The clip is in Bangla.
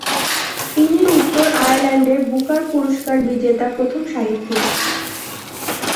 তিনিই উত্তর আয়ারল্যান্ডের বুকার পুরস্কার বিজেতা প্রথম সাহিত্যিক।